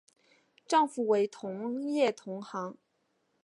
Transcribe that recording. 丈夫为同业同行。